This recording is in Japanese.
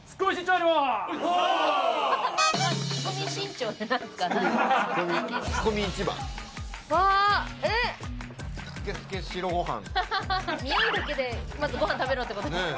ニオイだけでまずごはん食べろってことですか？